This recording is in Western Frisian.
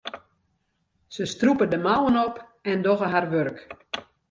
Se strûpe de mouwen op en dogge har wurk.